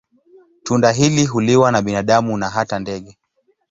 Tunda hili huliwa na binadamu na hata ndege.